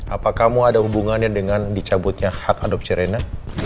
apa kamu ada hubungannya dengan dicabutnya hak adopsi reina